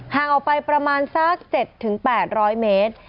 ห่างออกไปประมาณสัก๗๘๐๐เมตร